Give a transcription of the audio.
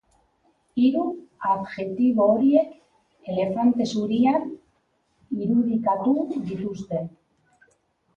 Hiru adjektibo horiek elefante zurian irudikatu dituzte.